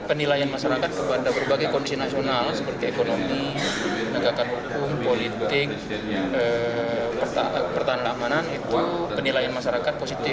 penilaian masyarakat kepada berbagai kondisi nasional seperti ekonomi negara negara hukum politik pertahanan amanan itu penilaian masyarakat positif